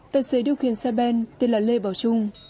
tài xế điều khiển xe ben tên là lê bảo trung